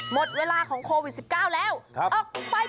หมดเวลาของโควิด๑๙แล้ว